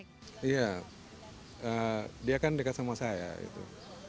iya dia kan dekat sama saya gitu